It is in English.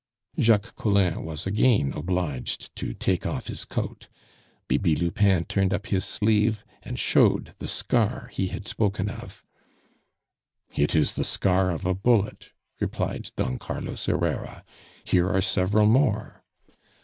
Jacques Collin was again obliged to take off his coat; Bibi Lupin turned up his sleeve and showed the scar he had spoken of. "It is the scar of a bullet," replied Don Carlos Herrera. "Here are several more."